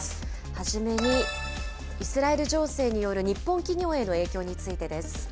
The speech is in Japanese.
初めに、イスラエル情勢による日本企業への影響についてです。